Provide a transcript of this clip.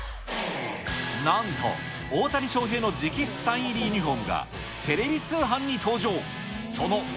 なんと大谷翔平の直筆サイン入りユニホームがテレビ通販に登場。